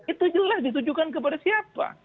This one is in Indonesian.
itu jelas ditujukan kepada siapa